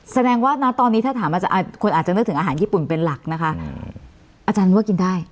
แสดงว่านะตอนนี้ถ้าถามอาจารย์คนอาจจะนึกถึงอาหารญี่ปุ่นเป็นหลักนะคะอาจารย์ว่ากินได้